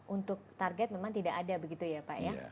untuk target memang tidak ada begitu ya pak ya